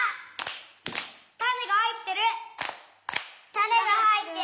「たねがはいっている」。